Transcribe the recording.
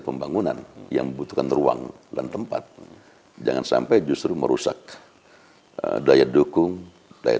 pembangunan yang membutuhkan ruang dan tempat jangan sampai justru merusak daya dukung daerah